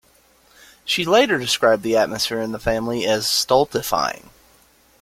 She later described the atmosphere in the family as "stultifying".